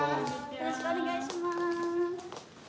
よろしくお願いします。